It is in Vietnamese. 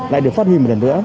lại được phát huy một lần nữa